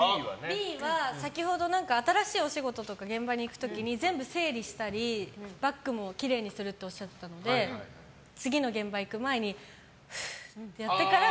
Ｂは先ほど新しいお仕事とか現場に行くと全部整理したりバッグもきれいにするっておっしゃってたので次の現場行く前にふぅってやってから